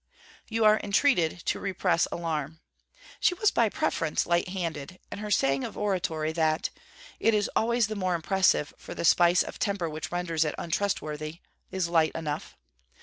You are entreated to repress alarm. She was by preference light handed; and her saying of oratory, that 'It is always the more impressive for the spice of temper which renders it untrustworthy,' is light enough.